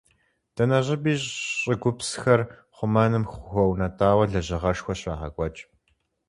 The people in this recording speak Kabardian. Дэнэ щӀыпӀи щӀыгупсхэр хъумэным хуэунэтӀауэ лэжьыгъэшхуэ щрагъэкӀуэкӀ.